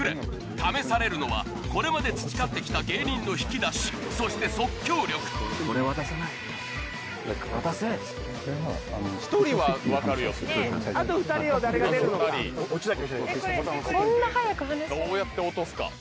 試されるのはこれまで培って来た芸人の引き出しそして即興力どうやって落とすか。